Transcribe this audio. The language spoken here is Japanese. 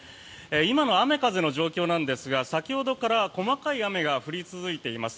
今の雨風の状況なんですが先ほどから細かい雨が降り続いています。